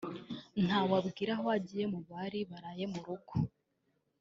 ntawe abwiye aho agiye mu bari baraye mu rugo